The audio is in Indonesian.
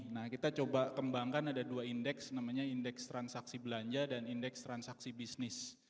nah kita coba kembangkan ada dua indeks namanya indeks transaksi belanja dan indeks transaksi bisnis